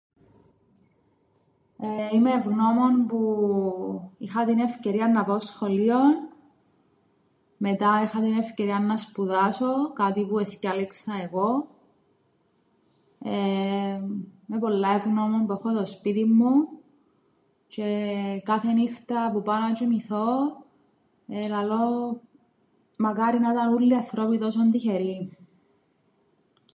Νναι, είμαι ευγνώμων που είχα την ευκαιρίαν να πάω σχολείο, μετά είχα την ευκαιρίαν να σπουδάσω κάτι που εθκιάλεξα εγώ. Είμαι πολλά ευγνώμων που έχω το σπίτιν μου τζ̆αι κάθε νύχταν που πάω να τζ̆οιμηθώ λαλώ μακάρι να 'ταν ούλλοι οι ανθρώποι τόσον τυχεροί.